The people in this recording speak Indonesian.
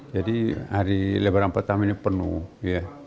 jadi hari lebaran pertama ini penuh ya